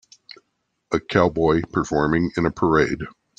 A cowboy performing in a parade.